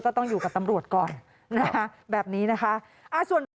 ต้องอยู่กับตำรวจก่อนนะคะแบบนี้นะคะ